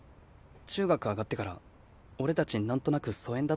中学上がってから俺たち何となく疎遠だったじゃん？